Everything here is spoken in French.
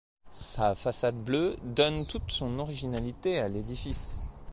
Sa façade bleue donne toute son originalité à l'édifice.